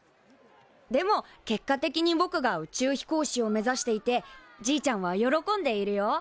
でも結果的にぼくが宇宙飛行士を目指していてじいちゃんは喜んでいるよ。